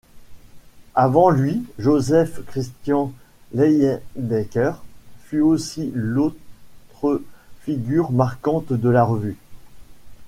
Avant lui, Joseph Christian Leyendecker, fut aussi l'autre figure marquante de la revue.